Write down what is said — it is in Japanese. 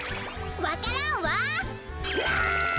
わか蘭は？わ！